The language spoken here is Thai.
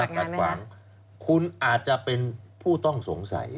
ขัดขวางคุณอาจจะเป็นผู้ต้องสงสัย